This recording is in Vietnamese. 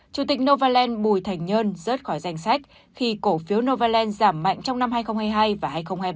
chủ tịch novaland bùi thành nhơn rớt khỏi danh sách khi cổ phiếu novaland giảm mạnh trong năm hai nghìn hai mươi hai và hai nghìn hai mươi ba